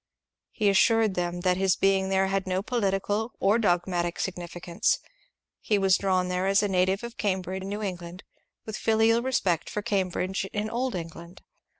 He assured them that his being there had no political or dogmatical signifi cance. He was drawn there as a native of Cambridge in New England, with filial respect for Cambridge in Old England.